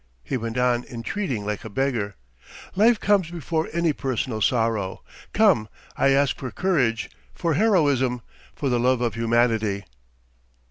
he went on entreating like a beggar. "Life comes before any personal sorrow! Come, I ask for courage, for heroism! For the love of humanity!"